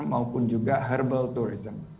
maupun juga herbal tourism